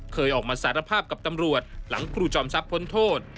เคยออกมาสารภาพกับตำรวจหลังครูจอมทรัพย์พ้นโทษ